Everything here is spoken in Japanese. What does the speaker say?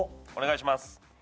お願いします